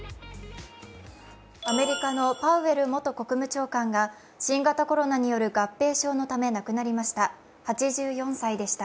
アメリカのパウエル元国務長官が新型コロナによる合併症のため亡くなりました。